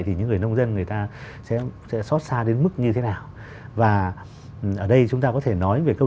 thì những người nông dân người ta sẽ xót xa đến mức như thế nào và ở đây chúng ta có thể nói về câu